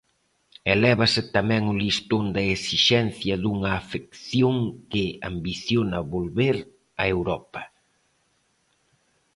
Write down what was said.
Elévase tamén o listón da esixencia dunha afección que ambiciona volver a Europa.